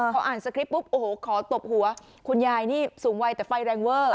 พออ่านสคริปปุ๊บโอ้โหขอตบหัวคุณยายนี่สูงวัยแต่ไฟแรงเวอร์